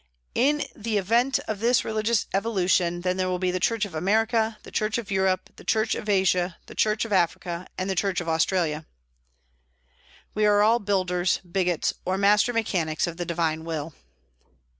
In the event of this religious evolution then there will be the Church of America, the Church of Europe, the Church of Asia, the Church of Africa, and the Church of Australia. We are all builders, bigots, or master mechanics of the divine will.